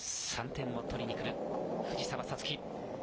３点を取りにくる、藤澤五月。